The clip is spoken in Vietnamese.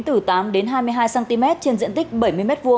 từ tám đến hai mươi hai cm trên diện tích bảy mươi m hai